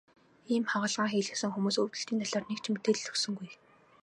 Ийм хагалгаа хийлгэсэн хүмүүс өвдөлтийн талаар нэг ч мэдээлэл өгсөнгүй.